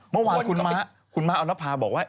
เมื่อวานคุณม้าออนภาบอกว่า